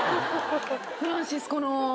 フランシスコの。